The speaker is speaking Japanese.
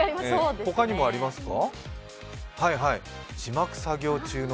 ほかにもありますか？